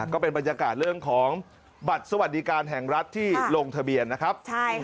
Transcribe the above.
ก็เป็นบรรยากาศเรื่องของบัตรสวัสดิการแห่งรัฐที่ลงทะเบียนนะครับ